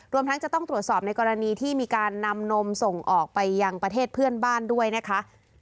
ทั้งจะต้องตรวจสอบในกรณีที่มีการนำนมส่งออกไปยังประเทศเพื่อนบ้านด้วยนะคะ